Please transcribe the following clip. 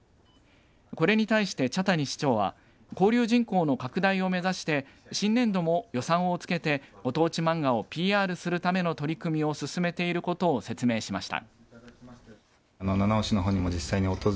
これに対して茶谷市長は交流人口の拡大を目指して新年度も予算をつけてご当地漫画をＰＲするための取り組みを進めていることを説明しました。